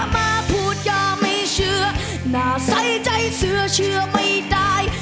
มาพูดยาไม่เชื่อน่าใส่ใจเสื้อเชื่อไม่ได้